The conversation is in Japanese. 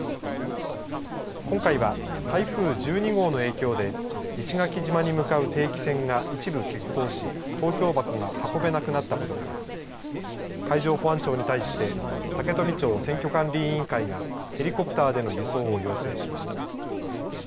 今回は台風１２号の影響で石垣島に向かう定期船が一部欠航し投票箱が運べなくなったことから海上保安庁に対して竹富町選挙管理委員会がヘリコプターでの輸送を要請しました。